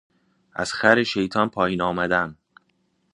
از خر شیطان پائین آمدن